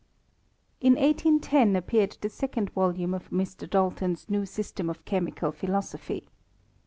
In IBIO appeared the second volume of Mr. Dal ton's New System of Chemical Philosophy.